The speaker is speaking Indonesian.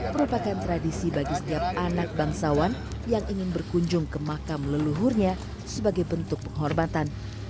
merupakan tradisi bagi setiap anak bangsawan yang ingin berkunjung ke makam leluhurnya sebagai bentuk penghormatan